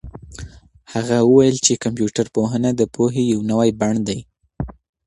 هغه وویل چي کمپيوټر پوهنه د پوهې یو نوی بڼ دی.